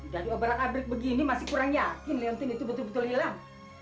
dari obrak abrik begini masih kurang yakin leontin itu betul betul hilang